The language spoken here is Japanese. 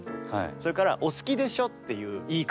それから「お好きでしょ」っていう言い方。